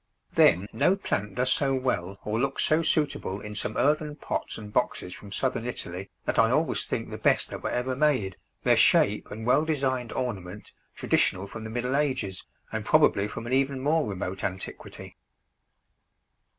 Then no plant does so well or looks so suitable in some earthen pots and boxes from Southern Italy that I always think the best that were ever made, their shape and well designed ornament traditional from the Middle Ages, and probably from an even more remote antiquity.